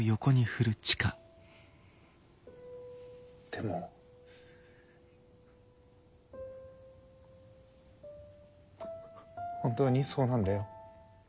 でも本当にそうなんだよ。